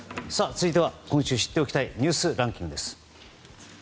続いては今週知っておきたいニュースランキングです。